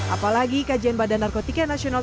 apalagi kajian badan narkotika nasional